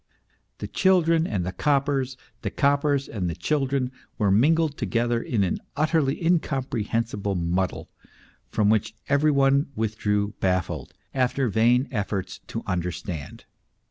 The children and the coppers, the coppers and the children, were mingled together in an utterly incomprehensible muddle, from which every one withdrew baffled, after vain efforts to understand.